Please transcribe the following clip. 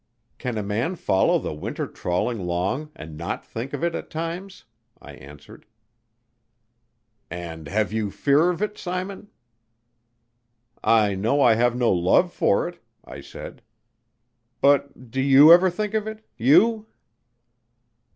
"Can a man follow the winter trawling long and not think of it at times?" I answered. "And have you fear of it, Simon?" "I know I have no love for it," I said. "But do you ever think of it, you?"